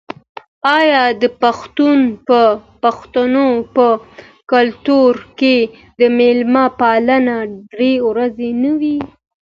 آیا د پښتنو په کلتور کې د میلمه پالنه درې ورځې نه وي؟